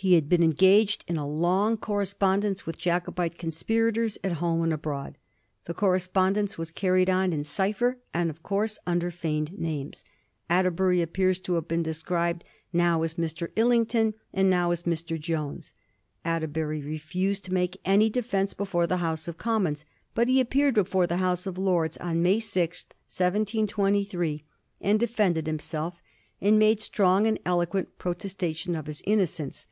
He had been engaged in a long correspondence with Jacobite conspirators at home and abroad. The correspondence was carried on in cipher, and, of course, under feigned names. Atter bury appears to have been described now as Mr. Hlington, and now as Mr. Jones. Atterbury refused to make any defence before the House of Commons ; but he appeared before the House of Lords on May 6, 1723, and defended himself, and made strong and eloquent protestation of his innocence.